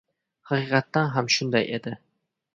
Haqiqatan ham shunday edi.